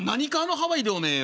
ハワイでおめえよ。